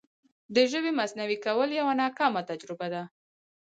د ژبې مصنوعي کول یوه ناکامه تجربه ده.